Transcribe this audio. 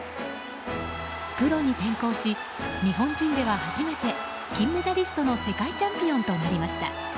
プロに転向し、日本人では初めて金メダリストの世界チャンピオンとなりました。